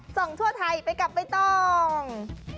ส่องทั่วไทยไปกลับไปตรง